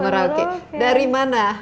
merauke dari mana